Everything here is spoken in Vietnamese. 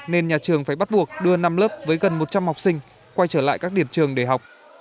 nên nhà trường phải bắt buộc đưa năm lớp với gần một trăm linh học sinh quay trở lại các điểm trường để học